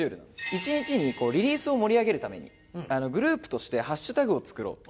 １日にリリースを盛り上げるためにグループとしてハッシュタグを作ろうと。